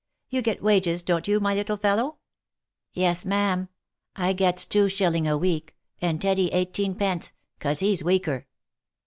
You get wages, don't you, my little fellow ?"" Yes, ma'am ; I gets two shilling a week, and Teddy eighteen pence, 'cause he's weaker."